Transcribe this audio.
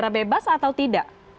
ini ada dari ad aji tiga binarso